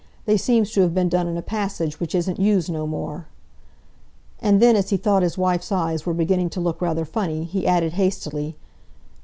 They seems to have been done in a passage which isn't used no more." And then, as he thought his wife's eyes were beginning to look rather funny, he added hastily.